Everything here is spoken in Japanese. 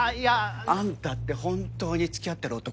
あんたって本当に付き合ってる男